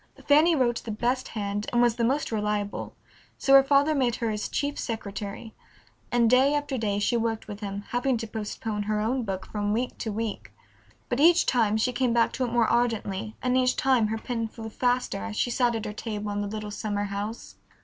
Fanny wrote the best hand and was the most reliable, so her father made her his chief secretary, and day after day she worked with him, having to postpone her own book from week to week. But each time she came back to it more ardently and each time her pen flew faster as she sat at her table in the little summer house.